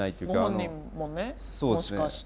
ご本人もねもしかして。